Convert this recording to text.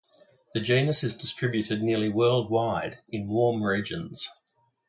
The genus is distributed nearly worldwide in warm regions.